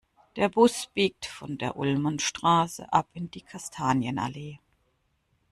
Der Bus biegt von der Ulmenstraße ab in die Kastanienallee.